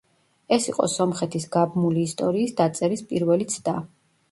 ეს იყო სომხეთის გაბმული ისტორიის დაწერის პირველი ცდა.